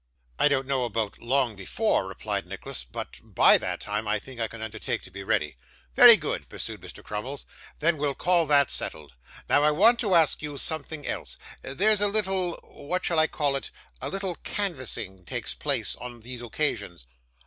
'I don't know about "long before,"' replied Nicholas; 'but BY that time I think I can undertake to be ready.' 'Very good,' pursued Mr. Crummles, 'then we'll call that settled. Now, I want to ask you something else. There's a little what shall I call it? a little canvassing takes place on these occasions.